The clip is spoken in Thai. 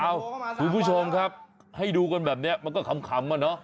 คุณผู้ชมครับให้ดูกันแบบนี้มันก็ขำอะเนาะ